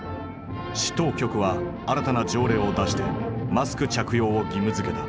市当局は新たな条例を出してマスク着用を義務付けた。